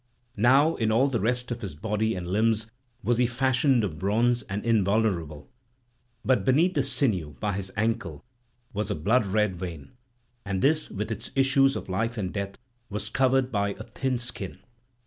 Now in all the rest of his body and limbs was he fashioned of bronze and invulnerable; but beneath the sinew by his ankle was a blood red vein; and this, with its issues of life and death, was covered by a thin skin.